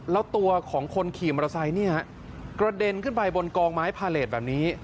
แล้วตัวของคนขี่มอเตอร์ไซค์กระเด็นขึ้นไปบนกองไม้พาเลสแบบนี้